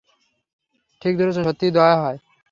ঠিক ধরেছেন, সত্যিই দয়া হয়।